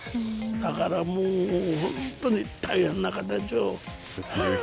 だからもう、本当に大変な形で。